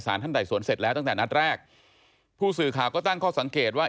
ท่านใดสวนเสร็จแล้วตั้งแต่นัดแรกผู้สื่อข่าวก็ตั้งข้อสังเกตว่า